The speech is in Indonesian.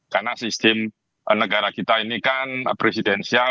karena sistem negara kita ini kan presidensial